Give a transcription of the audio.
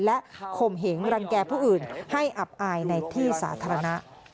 และข่มเหงรังแก่ผู้อื่นให้อับอายในที่สาธารณะ